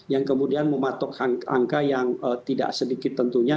yang kemudian mematok angka yang tidak sedikit tentunya